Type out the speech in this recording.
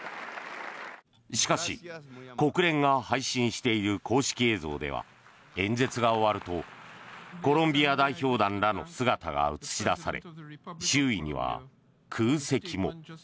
しかし、国連が配信している公式映像では演説が終わるとコロンビア代表団らの姿が映し出され周囲には空席も。